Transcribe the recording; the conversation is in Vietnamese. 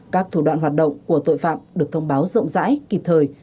các thủ đoạn hoạt động của tội phạm được thông báo rộng rãi kịp thời